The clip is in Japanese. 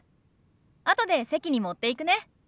あとで席に持っていくね。